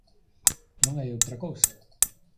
Non hai outra cousa.